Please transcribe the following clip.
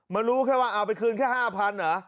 รู้แค่ว่าเอาไปคืนแค่๕๐๐เหรอ